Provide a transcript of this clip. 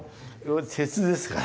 鉄ですから。